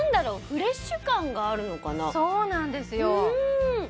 フレッシュ感があるのかなそうなんですよ